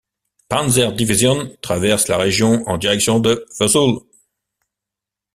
Panzer-Division traversent la région en direction de Vesoul.